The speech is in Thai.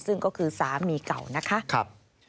ซึ่งก็คือสามีเก่านะคะ